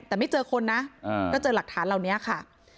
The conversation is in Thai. แต่ไม่เจอคนนะก็เจอหลักฐานเหล่านี้ค่ะ